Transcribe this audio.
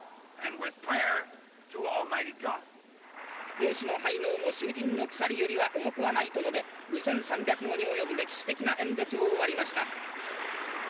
兵士の背嚢も囚人の鎖よりは重くはないと述べ２３００語に及ぶ歴史的な演説を終わりました。